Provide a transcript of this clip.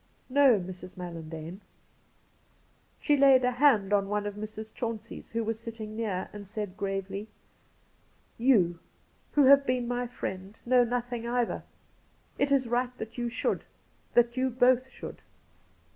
' No, Mrs. Mallandane.' She laid a hand on one of Mrs. Chauncey's, who was sitting near, and said gravely :' You, who have been my friend, know nothing either. It is right that you should — that you both should.'